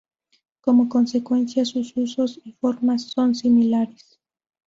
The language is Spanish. Como consecuencia, sus usos y formas son similares.